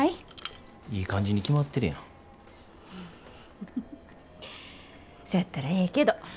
フフフフそやったらええけど。